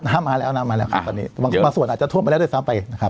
น้ำมาแล้วน้ำมาแล้วครับตอนนี้บางส่วนอาจจะท่วมไปแล้วด้วยซ้ำไปนะครับ